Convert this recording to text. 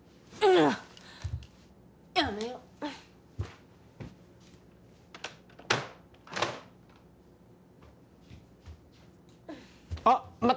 あやめようあっ待った